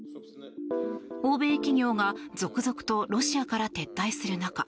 欧米企業が続々とロシアから撤退する中